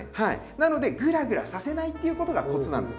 なのでグラグラさせないっていうことがコツなんです。